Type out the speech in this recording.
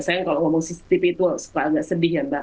saya kalau ngomong cctv itu suka agak sedih ya mbak